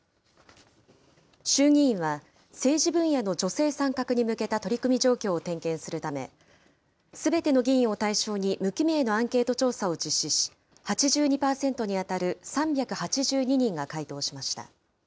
衆議院は、政治分野の女性参画に向けた取り組み状況を点検するため、すべての議員を対象に無記名のアンケート調査を実施し、８２％に当たる３８２人が回答しました。